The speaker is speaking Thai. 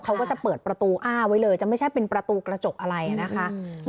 เขาก็จะเปิดประตูอ้าไว้เลยจะไม่ใช่เป็นประตูกระจกอะไรนะคะ